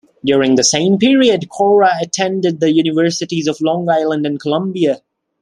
During the same period, Kaura attended the universities of Long Island and Columbia.